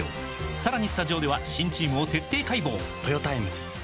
さらにスタジオでは新チームを徹底解剖！